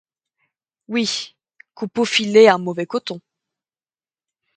Oui, Coupeau filait un mauvais coton.